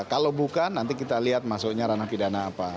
kalau bukan nanti kita lihat masuknya ranah pidana apa